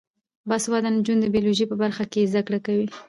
باسواده نجونې د بیولوژي په برخه کې زده کړې کوي.